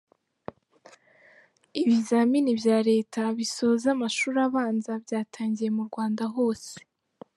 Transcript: Ibizamini bya Leta bisoza amashuri abanza byatangiye mu Rwanda hose